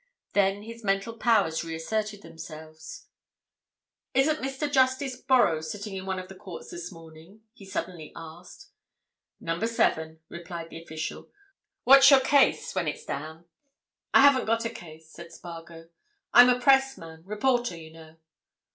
Then his mental powers reasserted themselves. "Isn't Mr. Justice Borrow sitting in one of the courts this morning?" he suddenly asked. "Number seven," replied the official. "What's your case—when's it down?" "I haven't got a case," said Spargo. "I'm a pressman—reporter, you know."